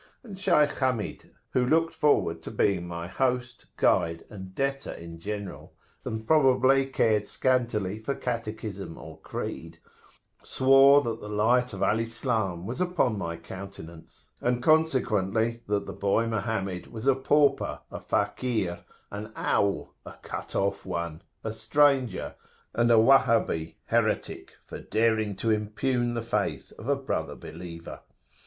And Shaykh Hamid, who looked forward to being my host, guide, and debtor in general, and probably cared scantily for catechism or creed, swore that the light of Al Islam was upon my countenance, and, consequently, that the boy Mohammed was a pauper, a "fakir," an owl, a cut off one,[FN#6] a stranger, and a Wahhabi (heretic), for daring to impugn the faith of a brother believer.